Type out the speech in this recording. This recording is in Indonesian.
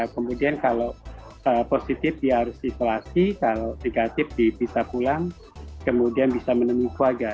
kemudian kalau positif dia harus isolasi kalau negatif bisa pulang kemudian bisa menemui keluarga